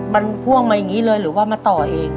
มันพ่วงมาอย่างนี้เลยหรือว่ามาต่อเอง